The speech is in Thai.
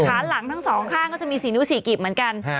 ขาหลังทั้ง๒ข้างก็มี๔นิ้วหรือ๔กีบเหมือนกัน